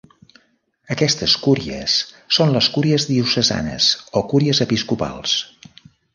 Aquestes cúries són les cúries diocesanes o cúries episcopals.